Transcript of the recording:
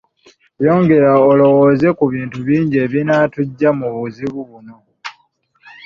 Yongera olowooze ku bintu bingi ebinaatuggya mu buzibu buno